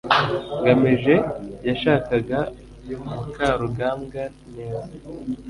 ngamije yashakaga mukarugambwa neza